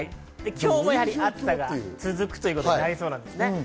今日も暑さが続くということになりそうなんですね。